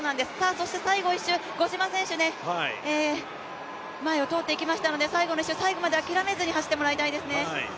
そして最後１周、五島選手、前を通っていきましたので、最後まで諦めずに走ってもらいたいですね。